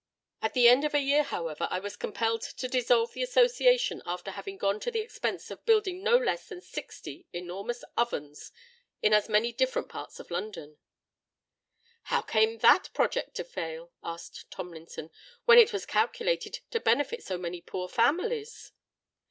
At the end of a year, however, I was compelled to dissolve the Association, after having gone to the expense of building no less than sixty enormous ovens in as many different parts of London." "How came that project to fail," asked Tomlinson, "when it was calculated to benefit so many poor families?"